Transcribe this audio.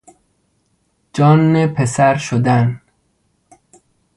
جان پسر شدن